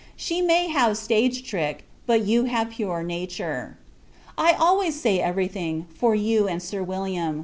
She may have stage trick, but you have pure nature. I always say every thing, for you and Sir William.